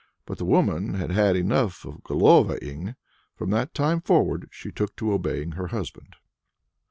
But the woman had had enough of Golova ing; from that time forward she took to obeying her husband.